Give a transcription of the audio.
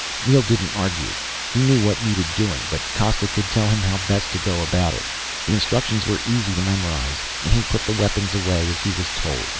Neel didn't argue. He knew what needed doing, but Costa could tell him how best to go about it. The instructions were easy to memorize, and he put the weapons away as he was told.